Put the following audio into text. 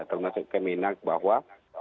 termasuk kemenak bahwa